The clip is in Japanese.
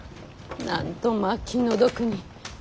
なんとまあ気の毒に。